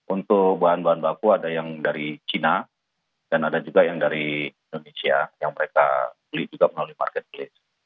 untuk bahan bahan baku ada yang dari cina dan ada juga yang dari indonesia yang mereka beli juga melalui marketplace